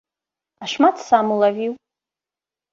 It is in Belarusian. А шмат сам улавіў?